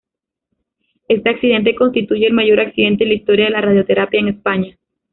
Éste accidente constituye el mayor accidente en la historia de la radioterapia en España.